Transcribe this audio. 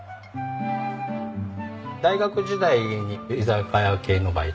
大学時代に居酒屋系のバイトを。